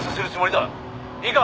「いいか？